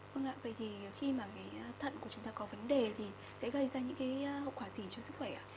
vâng ạ vậy thì khi mà cái thận của chúng ta có vấn đề thì sẽ gây ra những cái hậu quả gì cho sức khỏe ạ